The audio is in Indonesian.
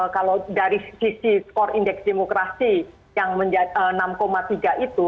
kalau dari sisi skor indeks demokrasi yang enam tiga itu